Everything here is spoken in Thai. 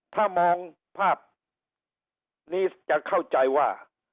ถ้ามองภาพนี้จะเข้าใจว่า